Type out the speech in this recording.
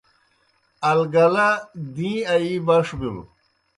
اَلگَلہ دِیں آیی بݜ بِلوْ۔